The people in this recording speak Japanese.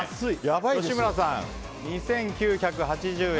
吉村さん、２９８０円。